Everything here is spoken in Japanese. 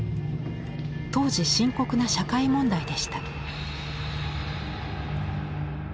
当時深刻な社会問題でした。